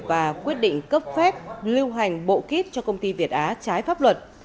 và quyết định cấp phép lưu hành bộ kít cho công ty việt á trái pháp luật